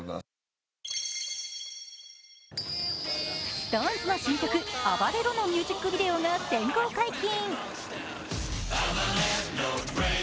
ＳｉｘＴＯＮＥＳの新曲「ＡＢＡＲＥＲＯ」のミュージックビデオが先行解禁！